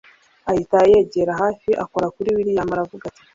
ahita yegera hafi akora kuri william aravuga ati